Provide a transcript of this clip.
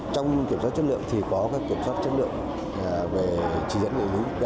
trong kiểm soát chất lượng thì có kiểm soát chất lượng về chỉ dẫn địa lý